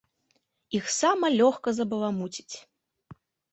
Іх сама лёгка забаламуціць!